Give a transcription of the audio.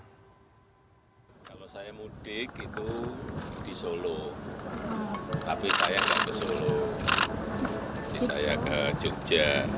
kalau saya mudik itu di solo tapi saya mau ke solo ini saya ke jogja